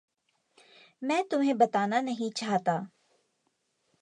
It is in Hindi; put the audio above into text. मैं तुम्हें बताना नहीं चाहता।